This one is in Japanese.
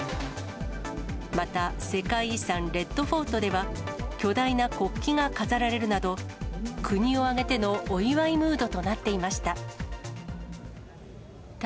また、世界遺産レッド・フォートでは、巨大な国旗が飾られるなど、国を挙げてのお祝いムードとなっていました。